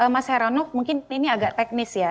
mas heronok mungkin ini agak teknis ya